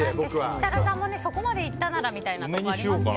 設楽さんもそこまで言ったならみたいなとこありますよ。